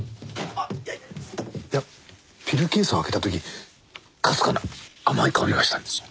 いやピルケースを開けた時かすかな甘い香りがしたんですよ。